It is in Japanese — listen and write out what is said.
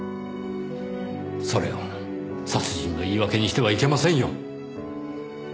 それを殺人の言い訳にしてはいけませんよ。